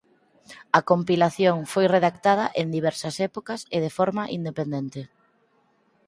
A compilación foi redactada en diversas épocas e de forma independente.